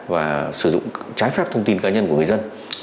và sử dụng trái phép thông tin cá nhân của người dân